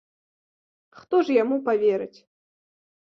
Хто ж яму паверыць?